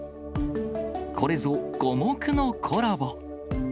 これぞ五目のコラボ。